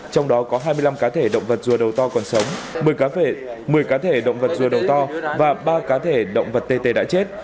trong đó có hai mươi năm cá thể động vật rùa đầu to còn sống một mươi cá thể động vật rùa đầu to và ba cá thể động vật tê tê đã chết